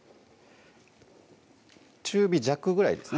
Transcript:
中火弱ぐらいですね